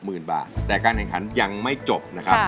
๖หมื่นบาทไม่แพร่นะครับ